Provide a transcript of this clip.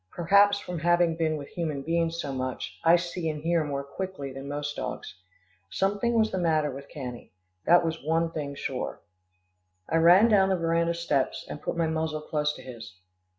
Perhaps from having been with human beings so much, I see and hear more quickly than most dogs. Something was the matter with Cannie, that was one thing sure. I ran down the veranda steps, and put my muzzle close to his.